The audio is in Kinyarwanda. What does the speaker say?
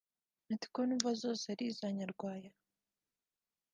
ati “Ko numva zose ari iza Nyarwaya